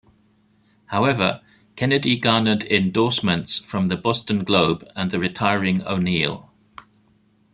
However, Kennedy garnered endorsements from "The Boston Globe" and the retiring O'Neill.